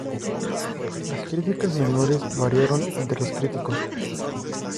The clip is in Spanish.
Las críticas menores variaron entre los críticos.